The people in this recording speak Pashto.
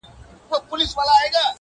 د دې ژوندیو له کتاره به وتلی یمه.!